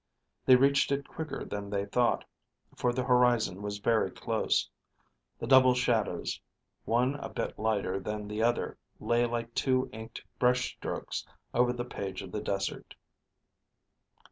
They reached it quicker than they thought, for the horizon was very close. The double shadows, one a bit lighter than the other, lay like two inked brush strokes over the page of the desert.